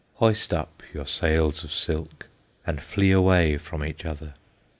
Hoist up your sails of silk, And flee away from each other.